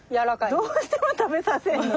どうしても食べさせんの？